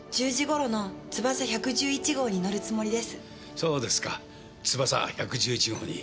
そうですかつばさ１１１号に。